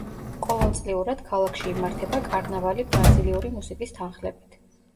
ყოველწლიურად, ქალაქში იმართება კარნავალი ბრაზილიური მუსიკის თანხლებით.